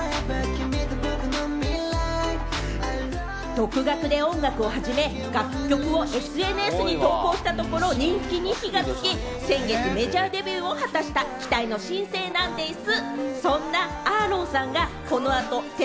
独学で音楽を始め、楽曲をＳＮＳに投稿したところ、人気に火がつき、先月メジャーデビューを果たした期待の新星なんでぃす！